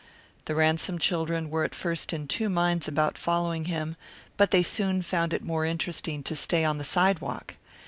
The Ransom children were at first in two minds about following him, but they soon found it more interesting to stay on the sidewalk.